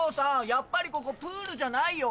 やっぱりここプールじゃないよ。